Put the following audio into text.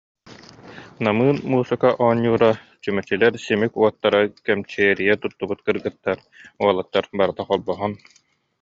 Намыын муусука оонньуура, чүмэчилэр симик уот- тара, кэмчиэрийэ туттубут кыргыттар, уолаттар барыта холбоһон